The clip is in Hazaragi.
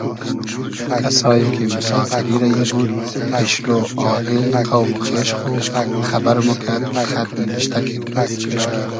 کئسایی کی موسافیری رئیی بود پېشلۉ آغیل قۆم و خېش خو خئبئر موکئد کی خئد نیمشتۂ کین